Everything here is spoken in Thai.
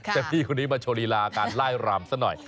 แต่พี่คนนี้มาโชว์ลีลาการไล่รำซะหน่อย